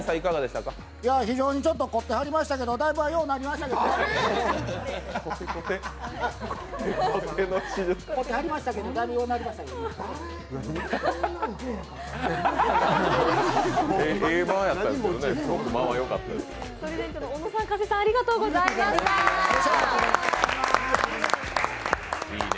非常に凝ってはりましたけど、だいぶようなりましたけどね。